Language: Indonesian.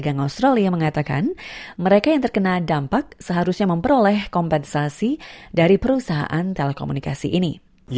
gang australia mengatakan mereka yang terkena dampak seharusnya memperoleh kompensasi dari perusahaan telekomunikasi ini